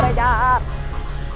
ayah ini jahat kak